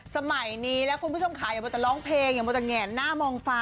สมัยนี้แล้วคุณผู้ชมขายังหมดแต่ร้องเพลงหมดแต่แง่นหน้ามองฟ้า